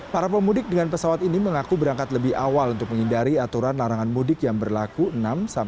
para pemudik dengan pesawat ini mengaku berangkat lebih awal untuk menghindari aturan larangan mudik yang berlaku enam tujuh belas mei mendatang